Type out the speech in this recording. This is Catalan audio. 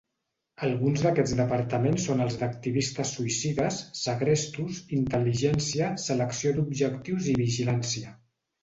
Alguns d'aquests departaments són els d'activistes suïcides, segrestos, intel·ligència, selecció d'objectius i vigilància.